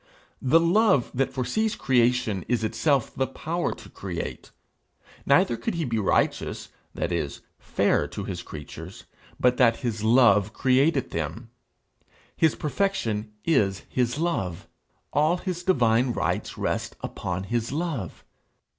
The love that foresees creation is itself the power to create. Neither could he be righteous that is, fair to his creatures but that his love created them. His perfection is his love. All his divine rights rest upon his love.